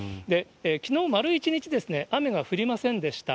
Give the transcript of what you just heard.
きのう、丸一日雨が降りませんでした。